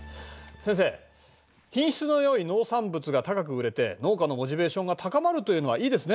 先生品質のよい農産物が高く売れて農家のモチベーションが高まるというのはいいですね。